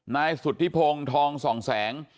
นายสุธิพงศ์ทองส่องแสง